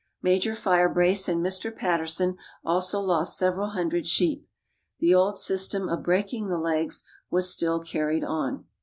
Major Firebrace and Mr. Patterson also lost several hundred sheep. The old system of breaking the legs was still carried on.